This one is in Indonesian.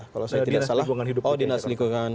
kalau saya tidak salah dinas lingkungan